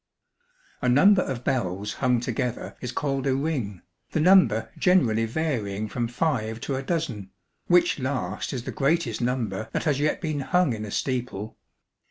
A number of bells hung together is called a 'ring,' the number generally varying from five to a dozen, which last is the greatest number that has yet been hung in a steeple.